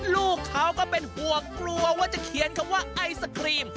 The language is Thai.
ลูกเขาก็เป็นห่วงกลัวว่าจะเขียนคำว่าไอศครีม